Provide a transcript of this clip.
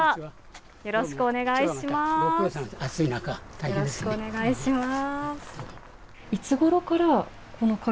よろしくお願いします。